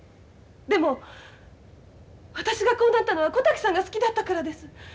でも私がこうなったのは小滝さんが好きだったからです。